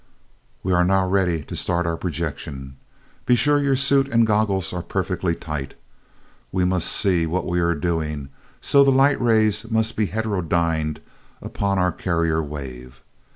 "We are now ready to start our projection. Be sure your suit and goggles are perfectly tight. We must see what we are doing, so the light rays must be heterodyned upon our carrier wave.